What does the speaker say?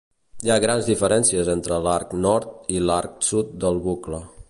Hi ha grans diferències entre l'arc nord i l'arc sud del bucle.